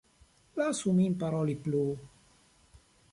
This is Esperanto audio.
Lasu min paroli plu!